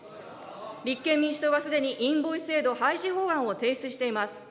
立憲民主党はすでにインボイス制度廃止法案を提出しています。